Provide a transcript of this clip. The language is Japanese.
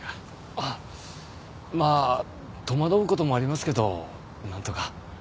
あっまあ戸惑う事もありますけどなんとか。